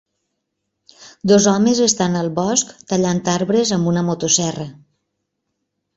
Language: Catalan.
Dos homes estan al bosc tallant arbres amb una motoserra.